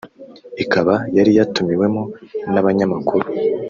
ikaba yari yatumiwemo n’abanyamakuru